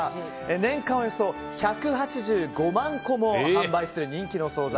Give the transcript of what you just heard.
年間およそ１８５万個も販売する人気の総菜。